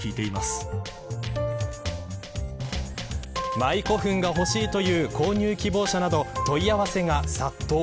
マイ古墳が欲しいという購入希望者など問い合わせが殺到。